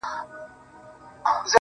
بیا ورته وایه چي ولي زه هر ځل زه یم؟